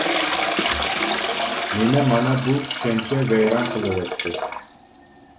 مېنى مانا بۇ چۈشەنچە ۋەيران قىلىۋەتتى.